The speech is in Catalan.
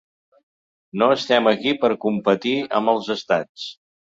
No estem aquí per competir amb els Estats.